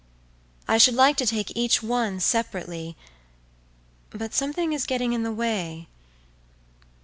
I should like to take each one separately—but something is getting in the way.